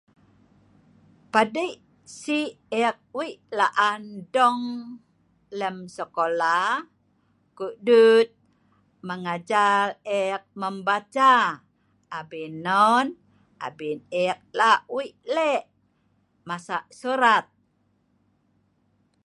padei sik ek weik la'an dong lem sekola kudut mengajar ek membaca abin non abin ek lak weik lek masa' sorat